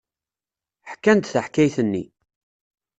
Ḥkan-d taḥkayt-nni.